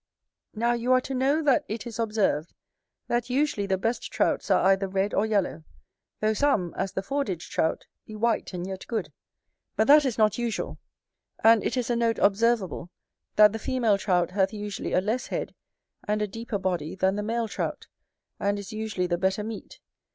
Now you are to know that it is observed, that usually the best Trouts are either red or yellow; though some, as the Fordidge Trout, be white and yet good; but that is not usual: and it is a note observable, that the female Trout hath usually a less head, and a deeper body than the male Trout, and is usually the better meat.